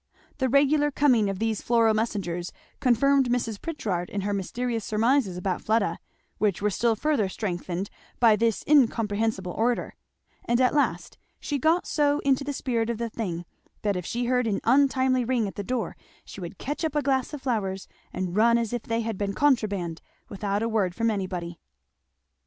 The regular coming of these floral messengers confirmed Mrs. Pritchard in her mysterious surmises about Fleda, which were still further strengthened by this incomprehensible order; and at last she got so into the spirit of the thing that if she heard an untimely ring at the door she would catch up a glass of flowers and run as if they had been contraband, without a word from anybody.